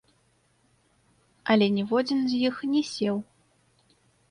Але ніводзін з іх не сеў.